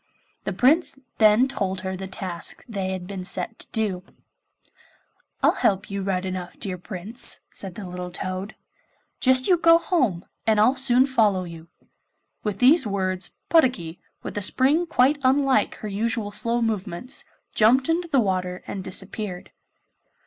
The Prince then told her the task they had been set to do. 'I'll help you right enough, my dear Prince,' said the little toad; 'just you go home, and I'll soon follow you.' With these words, Puddocky, with a spring quite unlike her usual slow movements, jumped into the water and disappeared.